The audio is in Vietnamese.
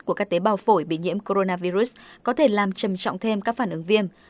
của các tế bào phổi bị nhiễm coronavirus có thể làm trầm trọng thêm các phản ứng viêm